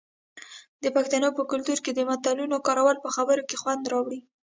د پښتنو په کلتور کې د متلونو کارول په خبرو کې خوند راوړي.